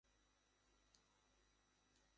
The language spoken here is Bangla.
আনন্দমার্গের মূল নীতি হলো যুগপৎ আত্মোন্নতি ও জনসেবা।